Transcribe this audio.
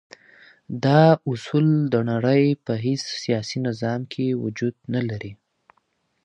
دا اصول د نړی په هیڅ سیاسی نظام کی وجود نلری.